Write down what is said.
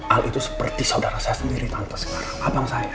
al itu seperti saudara saya sendiri tanpa sekarang abang saya